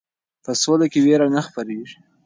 په سوله کې ویره نه خپریږي.